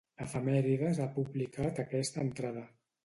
Efemèrides ha publicat aquesta entrada.